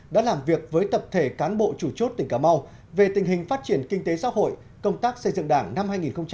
đã làm việc với tập thể cán bộ chủ chốt tỉnh cà mau về tình hình phát triển kinh tế xã hội công tác xây dựng đảng năm hai nghìn một mươi chín